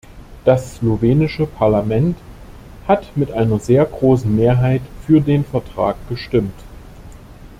Das slowenische Parlament hat mit einer sehr großen Mehrheit für den Vertrag gestimmt.